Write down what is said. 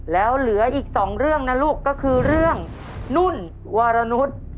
แล้วเหลืออีกสองเรื่องนะลูกก็คือเรื่องนุ่นวารนุษย์